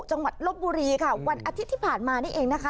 ลบบุรีค่ะวันอาทิตย์ที่ผ่านมานี่เองนะคะ